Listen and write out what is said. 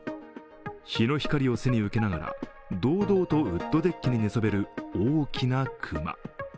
日の光を背に受けながら堂々とウッドデッキに寝そべる大きな熊。